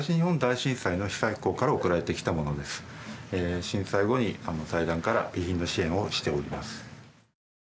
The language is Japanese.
震災後に財団から備品の支援をしております。